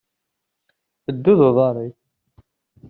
Ddu d uḍaṛ-ik.